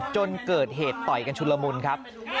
จนเกิดเหตุต่อยกันชุนละมุนครับ